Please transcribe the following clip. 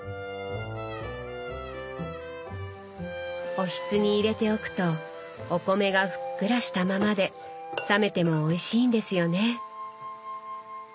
おひつに入れておくとお米がふっくらしたままで冷めてもおいしいんですよね。